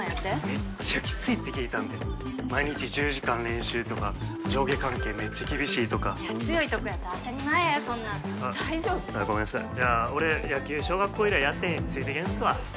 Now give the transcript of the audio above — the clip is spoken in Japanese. めっちゃキツいって聞いたんで毎日１０時間練習とか上下関係めっちゃ厳しいとかいや強いとこやったら当たり前やそんなん大丈夫？ああごめんなさいいや俺野球小学校以来やってへんしついていけんっすわ